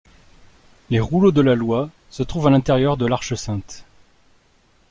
Les rouleaux de la Loi se trouvent à l’intérieur de l’Arche sainte.